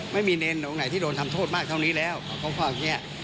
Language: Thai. ไม่มีเนรที่โดนทำโทษมากเท่านี้แล้วของพ่อแบบนี้